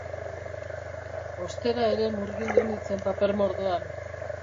Ostera ere murgildu nintzen paper-mordoan.